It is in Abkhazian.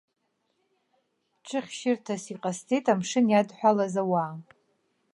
Ҽыхьшьырҭас иҟасҵеит амшын иадҳәалаз ауаа.